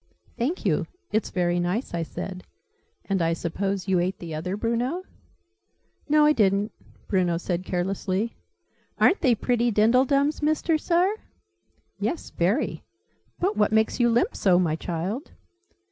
"Thank you: it's very nice," I said. "And I suppose you ate the other, Bruno?" "No, I didn't," Bruno said, carelessly. "Aren't they pretty dindledums, Mister Sir?" "Yes, very: but what makes you limp so, my child?"